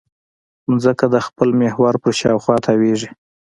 ځمکه د خپل محور په شاوخوا تاوېږي.